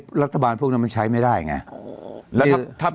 รัฐบาลพวกนั้นมันใช้ไม่ได้ไง